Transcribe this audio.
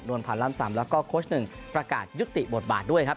ผ่านล้ำสำแล้วก็โค้ชหนึ่งประกาศยุติบทบาทด้วยครับ